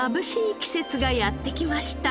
季節がやって来ました。